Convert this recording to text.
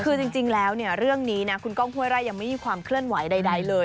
คือจริงแล้วเนี่ยเรื่องนี้นะคุณก้องห้วยไร่ยังไม่มีความเคลื่อนไหวใดเลย